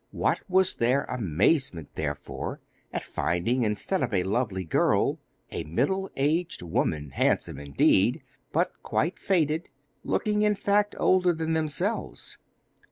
What was their amazement, therefore, at finding, instead of a lovely girl, a middle aged woman, handsome indeed, but quite faded looking, in fact, older than themselves.